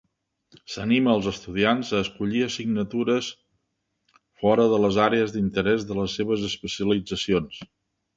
S'anima als estudiants a escollir assignatures fora de les àrees d'interès de les seves especialitzacions.